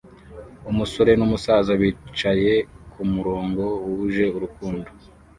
Umusore numusaza bicaye kumurongo wuje urukundo